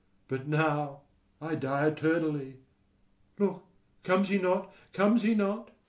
but now I die eternally. Look, comes he not? comes he not?